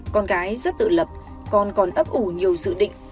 con gái rất tự lập còn còn ấp ủ nhiều dự định